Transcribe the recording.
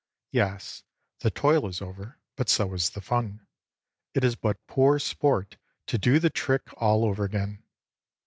Yes, the toil is over, but so is the fun; it is but poor sport to do the trick all over again.